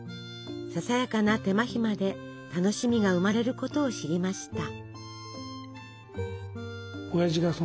ささやかな手間暇で楽しみが生まれることを知りました。